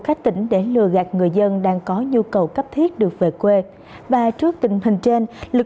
các tỉnh để lừa gạt người dân đang có nhu cầu cấp thiết được về quê và trước tình hình trên lực